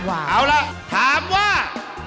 เอาล่ะถามว่า